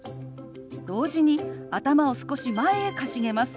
同時に頭を少し前へかしげます。